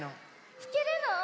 ひけるの？